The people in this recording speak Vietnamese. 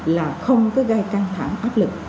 là không gây căng thẳng áp lực